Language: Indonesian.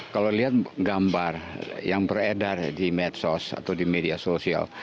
kalau lihat gambar yang beredar di medsos atau di media sosial